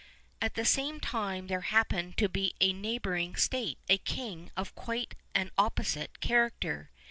At the same time there happened to be in a neighbor ing state a king of quite an opposite character.